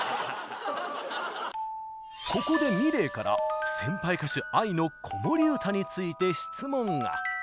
ここでｍｉｌｅｔから先輩歌手ＡＩの子守唄について質問が。